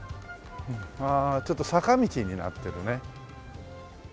ああちょっと坂道になってるね。